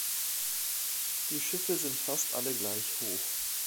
Die Schiffe sind fast alle gleich hoch.